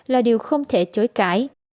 là điều không thể chối cãi